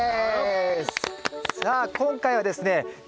さあ今回はですね